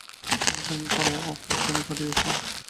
সঙ্গে সঙ্গেই power of attorney পাঠিয়েছে।